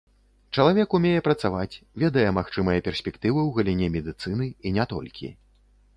Чалавек умее працаваць, ведае магчымыя перспектывы ў галіне медыцыны і не толькі.